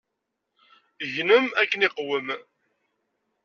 Gnem akken iqwem.